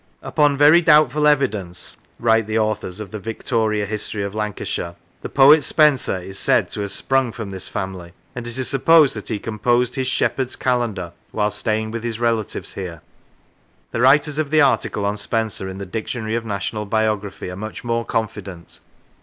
Upon very doubt ful evidence," write the authors of the " Victoria History of Lancashire," " the poet Spenser is said to have sprung from this family, and it is supposed that he composed his ' Shepherd's Calendar ' while staying with his relatives here." The writers of the article on Spenser in the " Dictionary of National Biography " are much more confident.